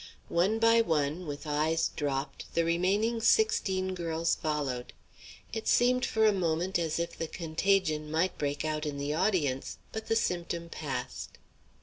One by one, with eyes dropped, the remaining sixteen girls followed. It seemed for a moment as if the contagion might break out in the audience, but the symptom passed.